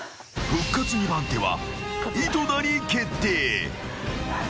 ［復活二番手は井戸田に決定］